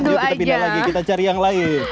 yuk kita pindah lagi kita cari yang lain